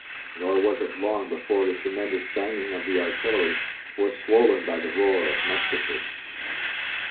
Nor was it long before the tremendous banging of the artillery was swollen by the roar of musketry.